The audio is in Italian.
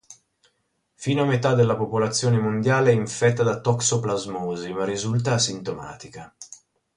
Fino a metà della popolazione mondiale è infettata da toxoplasmosi, ma risulta asintomatica.